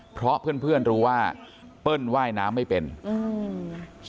เพราะเพื่อนเพื่อนรู้ว่าเปิ้ลว่ายน้ำไม่เป็นอืม